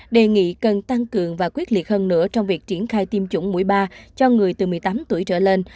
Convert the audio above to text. đề nghị cần tăng cường và quyết liệt hơn nữa trong việc triển khai tiêm chủng mũi ba cho người từ một mươi tám tuổi trở lên